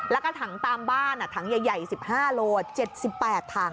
แล้วก็ถังตามบ้านถังใหญ่๑๕โล๗๘ถัง